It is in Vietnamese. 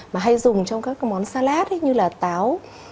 mà hay dùng trong các món salat như là táo